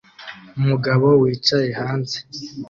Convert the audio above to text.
umugabo wicaye hanze